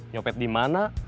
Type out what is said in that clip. nyopet di mana